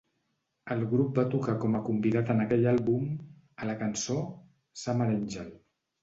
El grup va tocar com a convidat en aquell àlbum, a la cançó "Summer Angel".